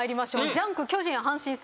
『ジャンク』巨人阪神戦。